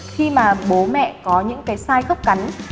khi mà bố mẹ có những cái sai gốc cắn